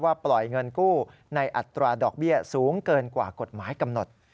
ปล่อยเงินกู้ในอัตราดอกเบี้ยสูงเกินกว่ากฎหมายกำหนด